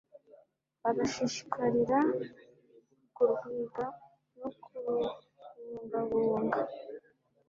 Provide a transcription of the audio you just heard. bagashishikarira kurwiga no kurubungabunga